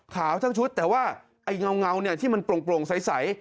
ทั้งชุดแต่ว่าไอ้เงาเนี่ยที่มันโปร่งใส